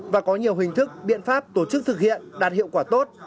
và có nhiều hình thức biện pháp tổ chức thực hiện đạt hiệu quả tốt